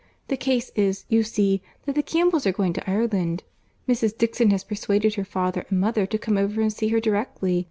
The case is, you see, that the Campbells are going to Ireland. Mrs. Dixon has persuaded her father and mother to come over and see her directly.